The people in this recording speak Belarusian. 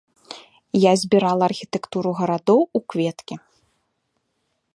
Я збірала архітэктуру гарадоў у кветкі.